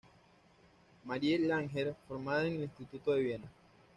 Marie Langer, formada en el Instituto de Viena.